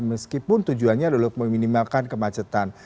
meskipun tujuannya adalah meminimalkan kemacetan